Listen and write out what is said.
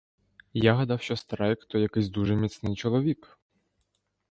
Я гадав, що страйк — то якийсь дуже міцний чоловік.